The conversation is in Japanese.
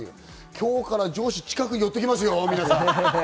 今日から上司、近く寄ってきますよ、皆さん。